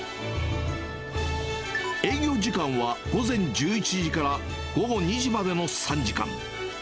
営業時間は午前１１時から午後２時までの３時間。